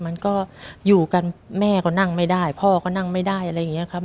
มันก็อยู่กันแม่ก็นั่งไม่ได้พ่อก็นั่งไม่ได้อะไรอย่างนี้ครับ